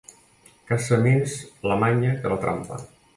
Caça més la manya que la trampa.